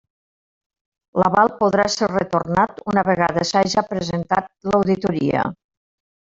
L'aval podrà ser retornat una vegada s'haja presentat l'auditoria.